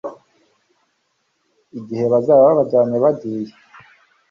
igihe bazaba babajyanye bagiye